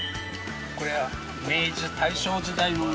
これは明治大正時代の。